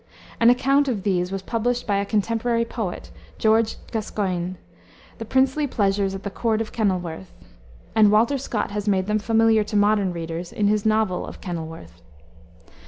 An account of these was published by a contemporary poet, George Gascoigne, The Princely Pleasures at the Court of Kenilworth, and Walter Scott has made them familiar to modern readers in his novel of Kenilworth.